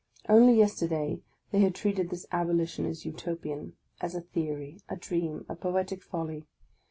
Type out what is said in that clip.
Only yesterday they had treated this abolition as Utopian, — as a theory, a dream, a poetic folly.